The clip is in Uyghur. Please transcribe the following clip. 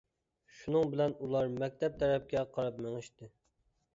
شۇنىڭ بىلەن ئۇلار مەكتەپ تەرەپكە قاراپ مېڭىشتى.